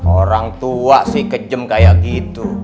orang tua sih kejem kayak gitu